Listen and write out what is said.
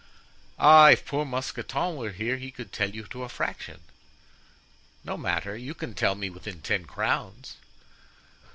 "Ah, if poor Mousqueton were here he could tell you to a fraction." "No matter; you can tell within ten crowns."